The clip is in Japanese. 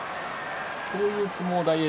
こういう相撲を大栄